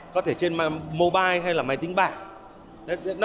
có thể trên mobile hay là máy tính bảng